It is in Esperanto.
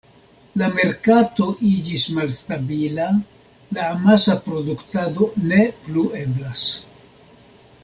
La merkato iĝis malstabila, la amasa produktado ne plu eblas.